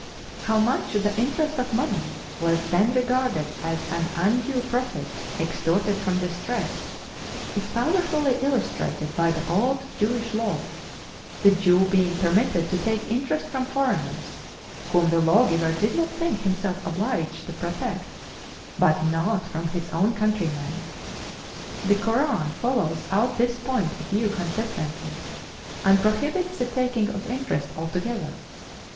How much the interest of money was then regarded as an undue profit extorted from distress is powerfully illustrated by the old Jewish law; the Jew being permitted to take interest from foreigners whom the lawgiver did not think himself obliged to protect but not from his own countrymen. The Koran follows out this point of view consistently, and prohibits the taking of interest altogether.